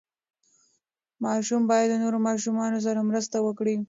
ماشوم باید د نورو ماشومانو سره مرسته وکړي.